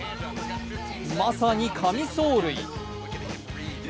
まさに神走塁。